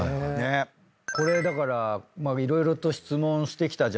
これだから色々と質問してきたじゃないですか。